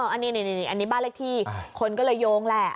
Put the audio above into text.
อันนี้บ้านเลขที่คนก็เลยโยงแหละ